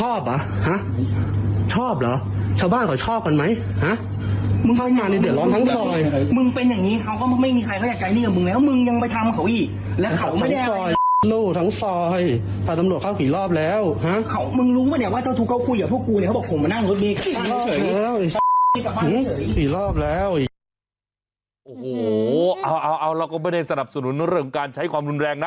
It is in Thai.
โอ้โหเอาเราก็ไม่ได้สนับสนุนเรื่องการใช้ความรุนแรงนะ